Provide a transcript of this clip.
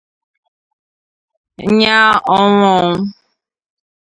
nyàá ọnwụ ọnwụ